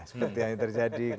seperti yang terjadi